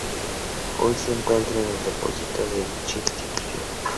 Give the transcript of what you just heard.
Hoy se encuentra en un depósito de dicha institución.